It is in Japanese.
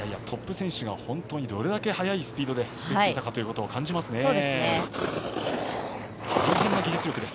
トップ選手が本当にどれだけ速いスピードで滑っていたかということを感じますね。